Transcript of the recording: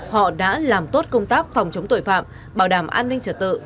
họ đã làm tốt công tác phòng chống tội phạm bảo đảm an ninh trật tự